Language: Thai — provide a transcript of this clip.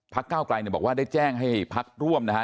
เก้าไกลเนี่ยบอกว่าได้แจ้งให้พักร่วมนะฮะ